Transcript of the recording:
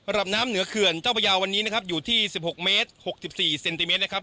น้ำเหนือเขื่อนเจ้าพระยาวันนี้นะครับอยู่ที่๑๖เมตร๖๔เซนติเมตรนะครับ